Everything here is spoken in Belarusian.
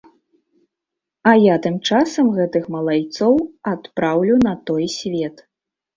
А я тым часам гэтых малайцоў адпраўлю на той свет.